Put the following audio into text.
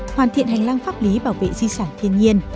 hoàn thiện hành lang pháp lý bảo vệ di sản thiên nhiên